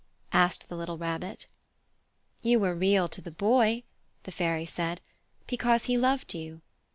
asked the little Rabbit. "You were Real to the Boy," the Fairy said, "because he loved you.